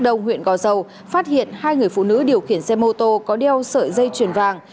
đông huyện gò dầu phát hiện hai người phụ nữ điều khiển xe mô tô có đeo sợi dây chuyền vàng